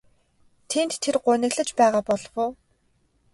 Тэнд тэр гуниглаж байгаа болов уу?